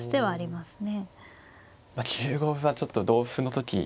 まあ９五歩はちょっと同歩の時。